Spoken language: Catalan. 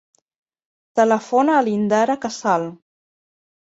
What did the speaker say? Telefona a l'Indara Casal.